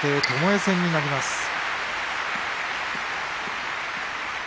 ともえ戦になります。